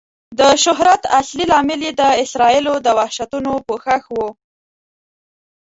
د شهرت اصلي لامل یې د اسرائیلو د وحشتونو پوښښ و.